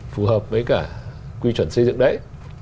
phù hợp với cả quy chuẩn xây dựng đấy